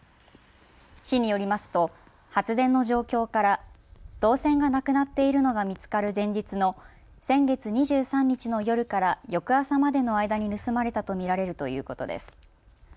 市によりますと発電の状況から銅線がなくなっているのが見つかる前日の先月２３日の夜から翌朝までの間に盗まれたと見られるということです。